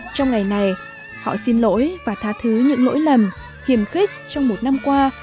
trong ngày này họ xin lỗi và tha thứ những lỗi lầm hiểm khích trong một năm qua